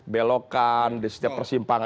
belokan di setiap persimpangan